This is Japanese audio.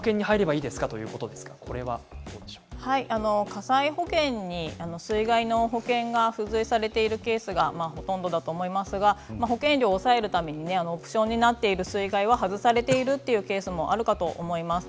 火災保険に水害の保険が付随されているケースがほとんどだと思いますが保険料を抑えるためにオプションになっている水害は外されているというケースもあるかと思います。